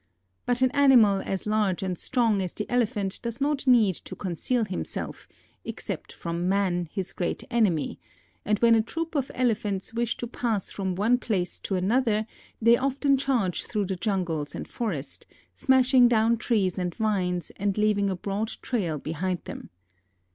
But an animal as large and strong as the Elephant does not need to conceal himself, except from man, his great enemy, and when a troop of Elephants wish to pass from one place to another they often charge through the jungles and forest, smashing down trees and vines and leaving a broad trail behind them.